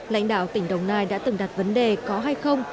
lãnh đạo tỉnh đồng nai đã từng đặt vấn đề có hay không